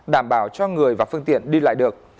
đảm bảo cho người và phương tiện đi lại được